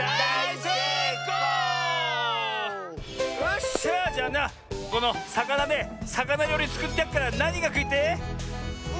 よっしゃじゃあなこのさかなでさかなりょうりつくってやっからなにがくいてえ？